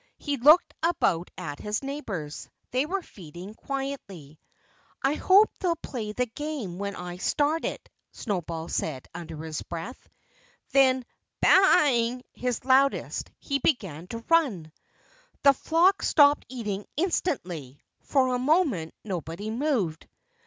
He looked about at his neighbors. They were feeding quietly. "I hope they'll play the game when I start it," Snowball said under his breath. And then, baaing his loudest, he began to run. The flock stopped eating instantly. For a moment nobody moved.